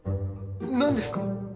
何ですか？